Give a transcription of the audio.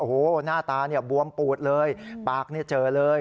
โอ้โหหน้าตาเนี่ยบวมปูดเลยปากเจอเลย